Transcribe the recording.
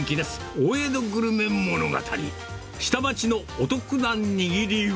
大江戸グルメ物語。